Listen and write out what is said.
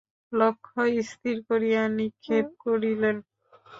লক্ষ্য স্থির করিয়া নিক্ষেপ করিলেন।